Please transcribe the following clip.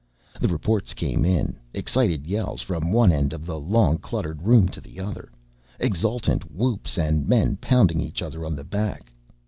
The reports came in, excited yells from one end of the long, cluttered room to the other, exultant whoops and men pounding each other on the back.